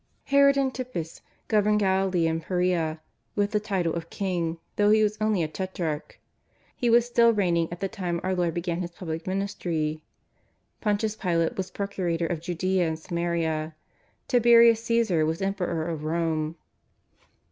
Herod Antipas governed Galilee and Perea with the title of king, though he was only a tetrarch. He was still reigning at the time our Lord began THs public ministry. Pontius Pilate was procurator of Judea and Samaria. Tiberias Caosar was Emperor of Pome.